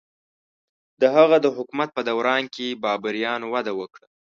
د هغه د حکومت په دوران کې بابریانو وده وکړه.